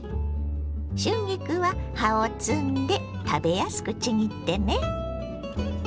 春菊は葉を摘んで食べやすくちぎってね。